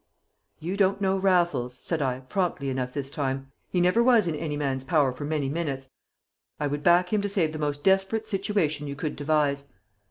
"You don't know Raffles," said I, promptly enough this time. "He never was in any man's power for many minutes. I would back him to save the most desperate situation you could devise."